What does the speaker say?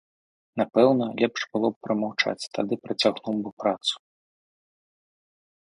Напэўна, лепш было б прамаўчаць, тады працягнуў бы працу.